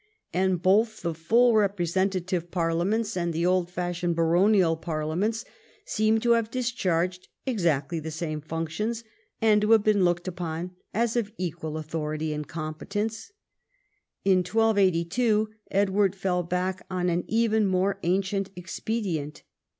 And both the full representative parliaments and the old fashioned baronial parliaments seem to have discharged exactly the same functions, and to have been looked upon as of equal authority and competence. In 1282 Edward fell back on an even more ancient expedient.